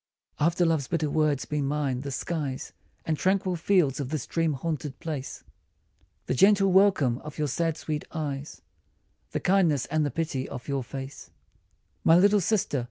AFTER love's bitter words be mine the skies And tranquil fields of this dream haunted place The gentle welcome of your sad, sweet eyes, The kindness and the pity of your face : My little sister